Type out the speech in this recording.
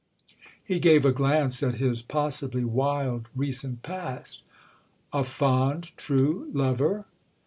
He gave a glance at his possibly wild recent past. "A fond true lover?"